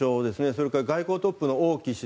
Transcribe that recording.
それから外交トップの王毅氏